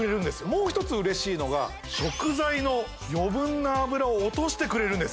もう一つ嬉しいのが食材の余分な油を落としてくれるんです